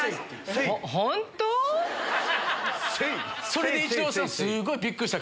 それで。